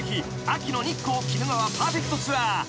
秋の日光・鬼怒川パーフェクトツアー］